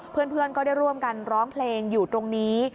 เพื่อนก็ได้ร่วมกันร้องเพลงอยู่ตรงนี้